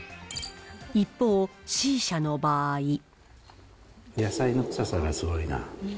一方、野菜の臭さがすごいな。